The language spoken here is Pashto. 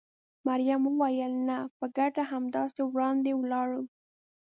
مريم وویل: نه، په ګډه همداسې وړاندې ولاړو.